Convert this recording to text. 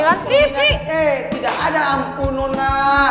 eh tidak ada ampun nona